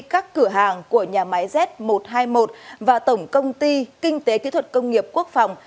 các cửa hàng của nhà máy z một trăm hai mươi một và tổng công ty kinh tế kỹ thuật công nghiệp quốc phòng